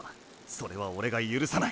それはオレが許さない！